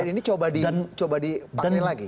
dan ini coba dipakai lagi